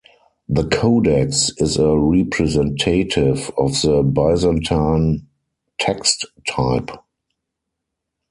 The codex is a representative of the Byzantine text-type.